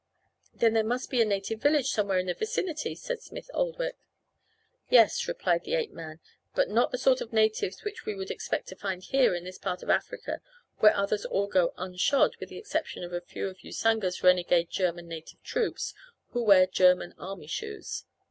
"Then there must be a native village somewhere in the vicinity," said Smith Oldwick. "Yes," replied the ape man, "but not the sort of natives which we would expect to find here in this part of Africa where others all go unshod with the exception of a few of Usanga's renegade German native troops who wear German army shoes.